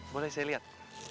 boleh saya lihat